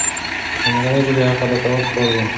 د مورنۍ ژبې حق ادا کول پکار دي.